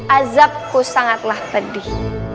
azabku sangatlah pedih